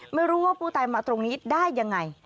ไม่รู้ว่าผู้ตายมาตรงนี้ได้ยังไง